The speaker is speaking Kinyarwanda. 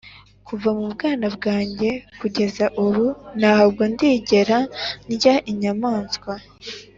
Kuva mu bwana bwanjye kugeza ubu, nta bwo ndigera ndya inyamaswa